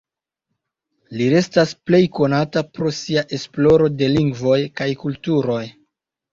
Li restas plej konata pro sia esploro de lingvoj kaj kulturoj.